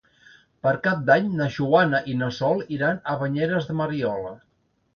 Per Cap d'Any na Joana i na Sol iran a Banyeres de Mariola.